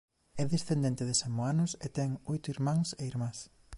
É descendente de samoanos e ten oito irmáns e irmás.